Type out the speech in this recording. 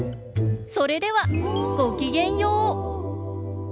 それではごきげんよう。